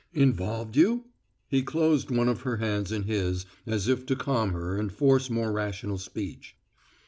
"Involved you?" He closed one of her hands in his as if to calm her and force more rational speech.